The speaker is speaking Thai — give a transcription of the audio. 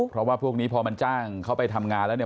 เพราะว่าพวกนี้พอมันจ้างเขาไปทำงานแล้วเนี่ย